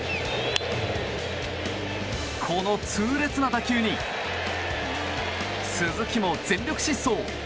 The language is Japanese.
この痛烈な打球に鈴木も全力疾走。